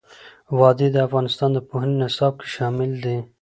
وادي د افغانستان د پوهنې نصاب کې شامل دي.